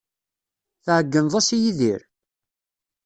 Tɛeyyneḍ-as i Yidir?